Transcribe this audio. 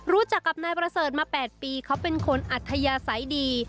รู้จักกับนายประเสริฐมา๘ปีเขาเป็นคนอัธยาศัยดี